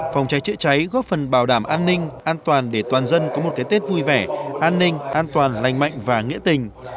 phòng cháy chữa cháy góp phần bảo đảm an ninh an toàn để toàn dân có một cái tết vui vẻ an ninh an toàn lành mạnh và nghĩa tình